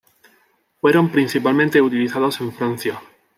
Fueron principalmente utilizados en Francia.